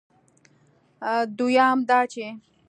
دویم دا چې